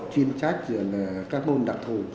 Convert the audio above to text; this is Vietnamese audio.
chuyên trách rồi là các môn đặc thù